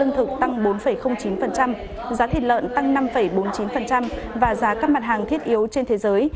giá thịt lợn tăng năm bốn mươi chín và giá các mặt hàng thiết yếu trên thế giới